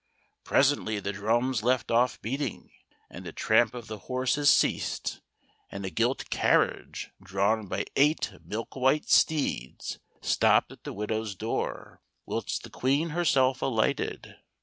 Presently the drums left off beating, and the tramp of the horses ceased, and THE GOLDE.\ HEN. 63 a gilt carrlac^c, drawn by eii^ht milk white steeds, stopped at the widow's door, whilst the Queen herself alighted.